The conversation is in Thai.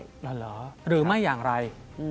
เหรอหรือไม่อย่างไร